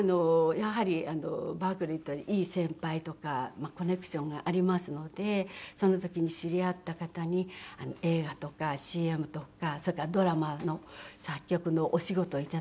やはりバークリーっていい先輩とかコネクションがありますのでその時に知り合った方に映画とかＣＭとかそれからドラマの作曲のお仕事を頂いて。